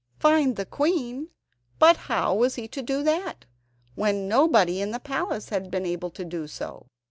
Find the queen? But how was he to do that, when nobody in the palace had been able to do so!